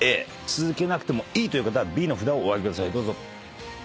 続けなくてもいいという方はＢの札をお挙げください。